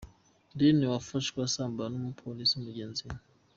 Riley wafashwe asambana n’umupolisi mugenzi we.